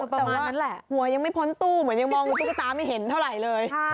แต่ว่าหัวยังไม่พ้นตู้เหมือนยังมองดูตุ๊กตาไม่เห็นเท่าไหร่เลย